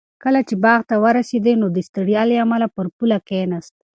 کله چې باغ ته ورسېد نو د ستړیا له امله پر پوله کېناست.